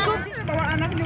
nggak jujur pak jokowi